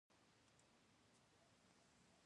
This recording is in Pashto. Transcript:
د کلو غړي چې د تېښتې په جرم تورن دي.